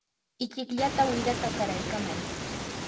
ichikllata wirata qaraykamay.